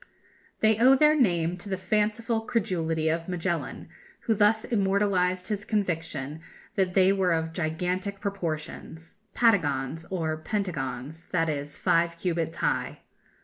They owe their name to the fanciful credulity of Magellan, who thus immortalized his conviction that they were of gigantic proportions Patagons, or Pentagons, that is, five cubits high.